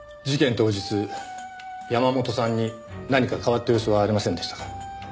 当日山本さんに何か変わった様子はありませんでしたか？